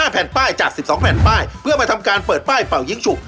แผ่นป้ายจาก๑๒แผ่นป้ายเพื่อมาทำการเปิดป้ายเป่ายิ้งฉุก